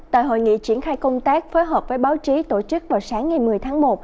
tại hội nghị triển khai công tác phối hợp với báo chí tổ chức vào sáng ngày một mươi tháng một